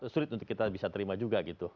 sulit untuk kita bisa terima juga gitu